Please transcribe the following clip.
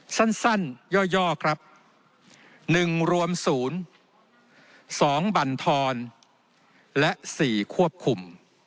ข้อครับหนึ่งรวมศูนย์สองบรรทรและสี่ควบคุม